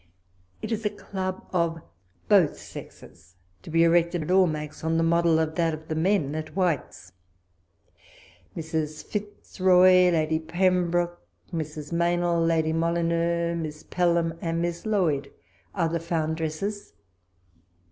It is a club of both sexes to be erected at Almack's, on the model of that of the men of White's. Mrs. Fitzroj , Lady Pembroke, Mrs. Meynell, Lady Molyneux, Miss Pelham, and Miss Loyd, are the foundresses.